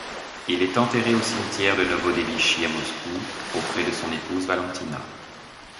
Il est enterré au cimetière de Novodevichy à Moscou auprès de son épouse Valentina.